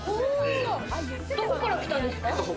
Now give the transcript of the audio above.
どこから来たんですか？